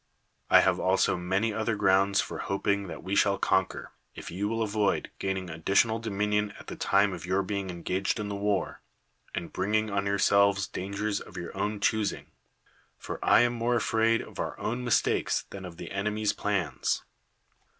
I have also many other grounds for hoping that we shall conquer, if you will avoid gaining additional dominion at the time of your being engaged in the war, and bringing on yourselves dangers of your own choosing; for I am more afraid of our own mistakes than of the enemy's plans.